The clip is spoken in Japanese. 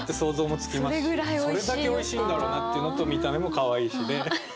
それだけおいしいんだろうなっていうのと見た目もかわいいしで。